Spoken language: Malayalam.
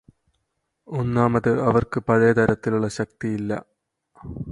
ഒന്നാമത് അവർക്ക് പഴയതരത്തിലുള്ള ശക്തിയില്ല.